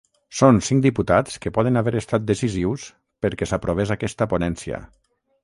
Són cinc diputats que poden haver estat decisius perquè s’aprovés aquesta ponència.